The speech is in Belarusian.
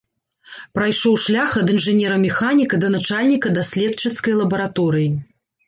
Прайшоў шлях ад інжынера-механіка да начальніка даследчыцкай лабараторыі.